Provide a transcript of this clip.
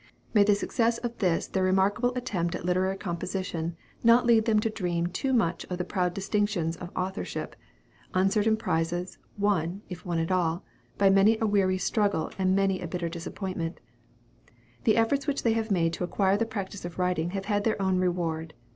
May the success of this their remarkable attempt at literary composition not lead them to dream too much of the proud distinctions of authorship uncertain prizes, won, if won at all, by many a weary struggle and many a bitter disappointment. The efforts which they have made to acquire the practice of writing have had their own reward.